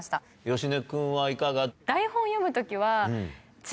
芳根君はいかが？